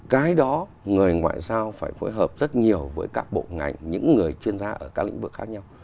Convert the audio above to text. cái đó người ngoại giao phải phối hợp rất nhiều với các bộ ngành những người chuyên gia ở các lĩnh vực khác nhau